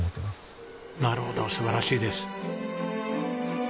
なるほど素晴らしいです。